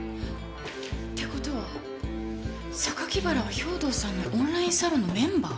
って事は原は兵藤さんのオンラインサロンのメンバー？